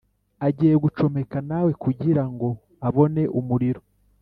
agiye gucomeka nawe kugirango abone umuriro